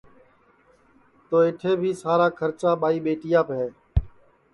تو اَیٹھے بھی سارا کھرچا ٻائی ٻیٹیاپ ہے